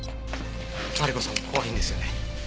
マリコさんも怖いんですよね？